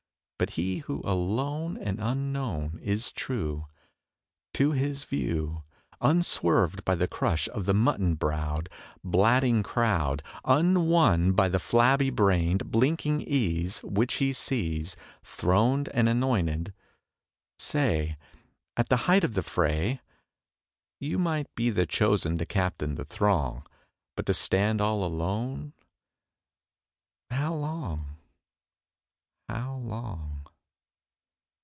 But he who, alone and unknown, is true To his view, Unswerved by the crush of the mutton browed, Blatting crowd, Unwon by the flabby brained, blinking ease Which he sees Throned and anointed. Say! At the height of the fray, You might be the chosen to captain the throng: But to stand all alone? How long? How long?